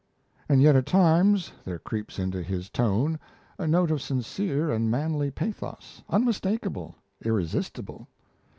And yet at times there creeps into his tone a note of sincere and manly pathos, unmistakable, irresistible.